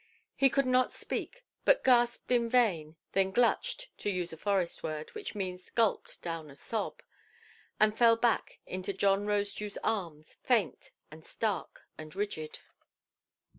He could not speak, but gasped in vain, then glutched (to use a forest word, which means gulped down a sob), and fell back into John Rosedewʼs arms, faint, and stark, and rigid.